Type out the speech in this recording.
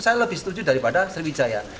saya lebih setuju daripada sriwijaya